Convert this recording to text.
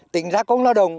tính ra công lao động